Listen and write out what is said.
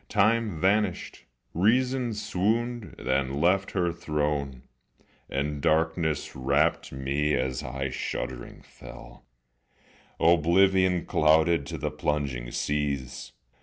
Time vanished, reason swooned, then left her throne, And darkness wrapt me as I shuddering fell, Oblivion clouded, to the plunging seas.